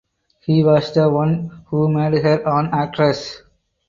He was the one who made her an actress.